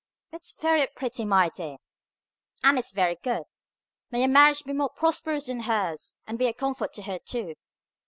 It's very pretty, my dear, and it's very good. May your marriage be more prosperous than hers, and be a comfort to her too.